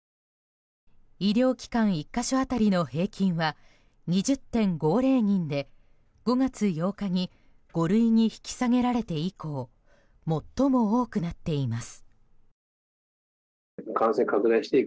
医療機関１か所当たりの平均は２０．５０人で５月８日に５類に引き下げられて以降最も多くなっています。